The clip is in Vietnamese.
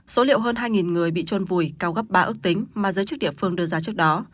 số liệu hơn hai người bị trôn vùi cao gấp ba ước tính mà giới chức địa phương đưa ra trước đó